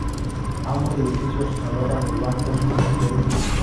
Ambos edificios alojan al Banco Supervielle.